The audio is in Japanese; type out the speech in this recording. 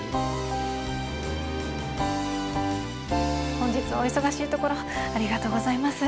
本日はお忙しいところありがとうございます